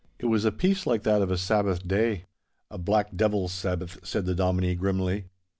It was a peace like that of a Sabbath day. 'A black devil's Sabbath!' said the Dominie, grimly.